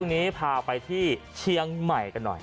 ฟรูปปากนิดนี้พาไปที่เชียงใหม่กันหน่อย